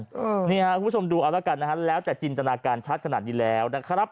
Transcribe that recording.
คุณผู้ชมดูเอาละกันแล้วแต่จินตนาการชัดขนาดนี้แล้วนะครับ